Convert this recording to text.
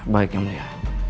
baik yang mulia